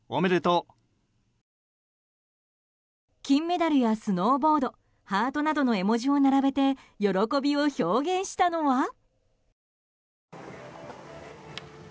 金メダルやスノーボードハートなどの絵文字を並べて喜びを表現したのは。